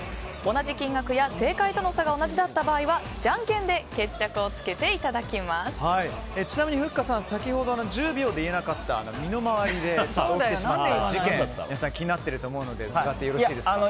同じ金額や正解との差が同じだった場合はじゃんけんでちなみにふっかさん先ほど１０秒で言えなかった身の回りで起きてしまった事件気になっていると思うので伺ってよろしいですか。